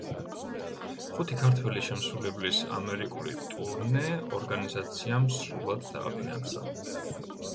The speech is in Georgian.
ხუთი ქართველი შემსრულებლის ამერიკული ტურნე ორგანიზაციამ სრულად დააფინანსა.